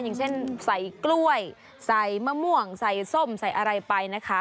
อย่างเช่นใส่กล้วยใส่มะม่วงใส่ส้มใส่อะไรไปนะคะ